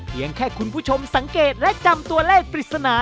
แค่คุณผู้ชมสังเกตและจำตัวเลขปริศนา